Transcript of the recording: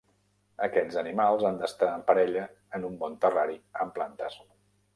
Aquests animals han d'estar en parella en un bon terrari amb plantes.